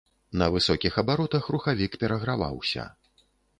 На высокіх абаротах рухавік пераграваўся.